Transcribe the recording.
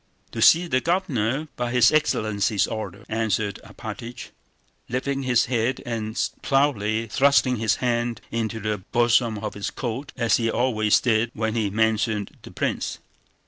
"To see the Governor by his excellency's order," answered Alpátych, lifting his head and proudly thrusting his hand into the bosom of his coat as he always did when he mentioned the prince....